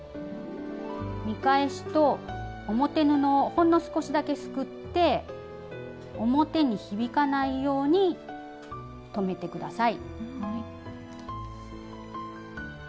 見返しと表布をほんの少しだけすくって表に響かないように留めてください。